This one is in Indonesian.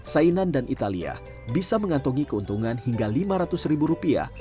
sainan dan italia bisa mengantongi keuntungan hingga lima ratus ribu rupiah